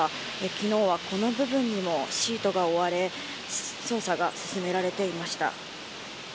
昨日は、この部分でもシートが覆われ捜査が進められていました。